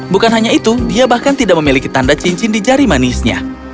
bukan hanya itu dia bahkan tidak memiliki tanda cincin di jari manisnya